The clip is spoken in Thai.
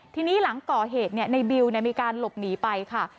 ทีนี้หลังก่อเหตุในบิวมีการหลบหนีไปค่ะ